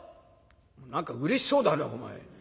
「何かうれしそうだねお前。